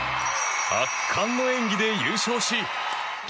圧巻の演技で優勝し。